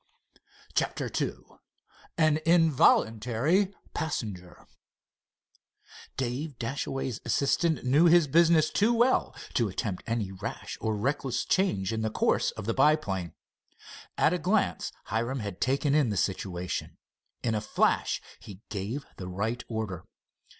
CHAPTER II AN INVOLUNTARY PASSENGER Dave Dashaway's assistant knew his business too well to attempt any rash or reckless change in the course of the biplane. At a glance Hiram had taken in the situation. In a flash he gave the right order.